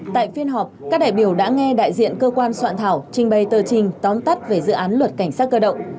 tại phiên họp các đại biểu đã nghe đại diện cơ quan soạn thảo trình bày tờ trình tóm tắt về dự án luật cảnh sát cơ động